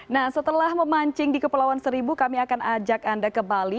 nah setelah memancing di kepulauan seribu kami akan ajak anda ke bali